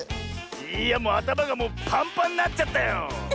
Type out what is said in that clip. いやあたまがもうパンパンになっちゃったよ！